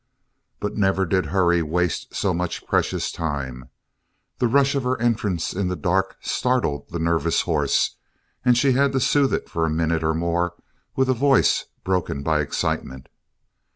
But never did hurry waste so much precious time. The rush of her entrance in the dark startled the nervous horse, and she had to soothe it for a minute or more with a voice broken by excitement.